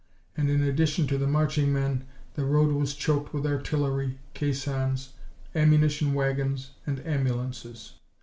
And in addition to the marching men, the road was choked with artillery, caissons, ammunition wagons, and ambulances.